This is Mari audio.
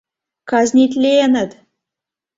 — Казнитленыт!